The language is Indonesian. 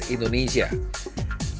ketujuh desainer itu adalah